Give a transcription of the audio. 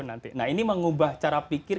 nanti nah ini mengubah cara pikir